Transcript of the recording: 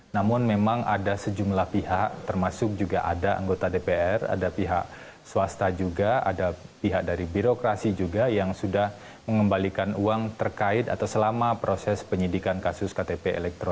namun memang ada sejumlah pihak termasuk juga ada anggota dpr ada pihak swasta juga ada pihak dari birokrasi juga yang sudah mengembalikan uang terkait atau selama proses penyidikan kasus ktp elektronik